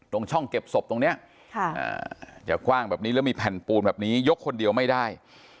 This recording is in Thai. ตรงช่องเก็บศพตรงนี้จะกว้างแบบนี้แล้วมีแผ่นปูนแบบนี้ยกคนเดียวไม่ได้